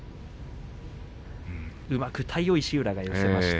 うまく体を石浦が寄せました。